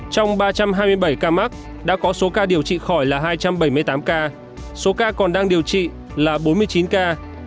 trong ba trăm hai mươi bảy ca mắc đã có số ca điều trị khỏi là hai trăm bảy mươi tám ca số ca còn đang điều trị là bốn mươi chín ca